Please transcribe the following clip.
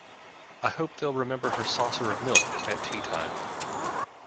I hope they’ll remember her saucer of milk at tea-time.